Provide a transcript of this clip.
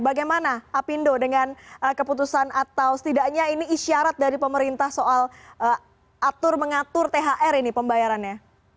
bagaimana apindo dengan keputusan atau setidaknya ini isyarat dari pemerintah soal atur mengatur thr ini pembayarannya